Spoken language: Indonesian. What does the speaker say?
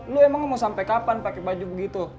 lu emang mau sampai kapan pakai baju begitu